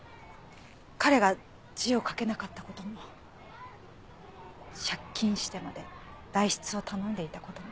彼が字を書けなかった事も借金してまで代筆を頼んでいた事も。